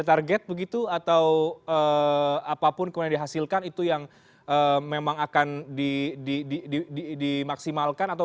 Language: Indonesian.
target begitu atau apapun kemarin dihasilkan itu yang memang akan di di di di di maksimalkan atau